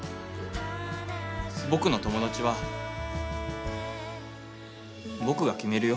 僕の友達は僕が決めるよ。